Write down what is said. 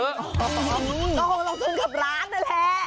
ก็คงลงทุนกับร้านนั่นแหละ